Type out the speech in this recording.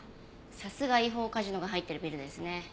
さすが違法カジノが入ってるビルですね。